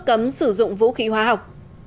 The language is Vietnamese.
cấm sử dụng vũ khí hóa học